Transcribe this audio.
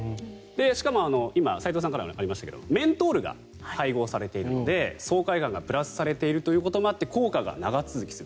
しかも今斎藤さんからありましたがメントールが配合されているので爽快感がプラスされているということもあって効果が長続きする。